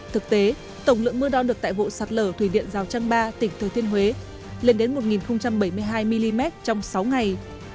thực tế tổng lượng mưa đo được tại vụ sạt lở thủy điện rào trăng ba tỉnh thừa thiên huế lên đến một bảy mươi hai mm trong sáu ngày